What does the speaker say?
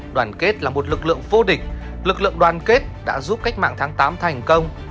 đoàn kết là một lực lượng vô địch lực lượng đoàn kết đã giúp cách mạng tháng tám thành công